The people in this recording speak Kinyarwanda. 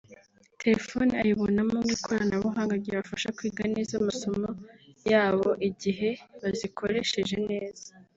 telefone ayibonamo nk’ikoranabuhanga ryabafasha kwiga neza amasomo ya bo igihe bazikorsheje neza